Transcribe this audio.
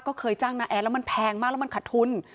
ก็เคยจ้างน้าแอดแล้วมันแพงมากแล้วมันขัดทุน